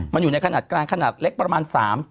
มันอยู่ในขนาดกลางขนาดเล็กประมาณ๓